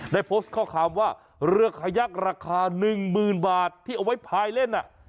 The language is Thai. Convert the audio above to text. ได้โพสต์ข้อความว่าเรือขยักราคา๑๐๐๐บาทที่เอาไว้พายเล่น